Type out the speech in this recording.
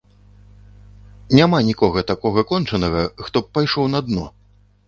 Няма нікога такога кончанага, хто б пайшоў на дно.